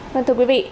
vâng thưa quý vị